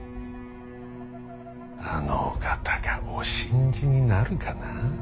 あのお方がお信じになるかな。